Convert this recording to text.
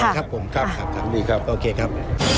ครับคุณครับโอเคครับ